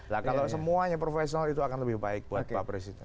lah kalau semuanya profesional itu akan lebih baik buat pak presiden